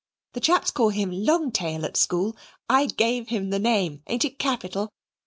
The chaps call him 'Longtail' at school. I gave him the name; ain't it capital?